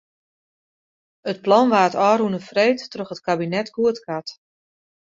It plan waard ôfrûne freed troch it kabinet goedkard.